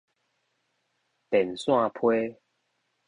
電線批